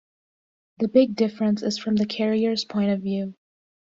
The big difference is from the carrier's point of view.